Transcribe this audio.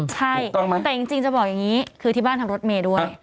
ใช่แต่จริงจะบอกอย่างนี้คือที่บ้านทำรถเมย์ด้วย